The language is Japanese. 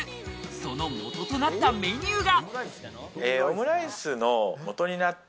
その元となったメニューが。